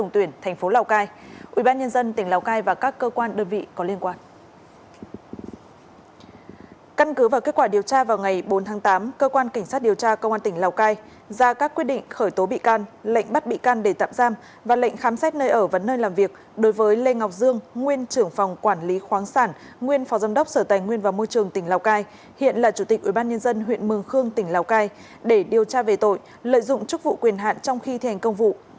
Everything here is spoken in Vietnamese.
trước kết quả điều tra vào ngày bốn tháng tám cơ quan cảnh sát điều tra công an tỉnh lào cai ra các quyết định khởi tố bị can lệnh bắt bị can để tạm giam và lệnh khám xét nơi ở và nơi làm việc đối với lê ngọc dương nguyên trưởng phòng quản lý khoáng sản nguyên phó giám đốc sở tài nguyên và môi trường tỉnh lào cai hiện là chủ tịch ủy ban nhân dân huyện mường khương tỉnh lào cai để điều tra về tội lợi dụng chức vụ quyền hạn trong khi thi hành công vụ